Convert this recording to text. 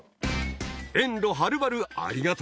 遠路はるばるありがとう